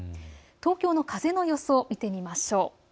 東京の風の予想を見てみましょう。